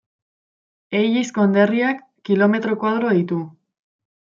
Ellis konderriak kilometro koadro ditu.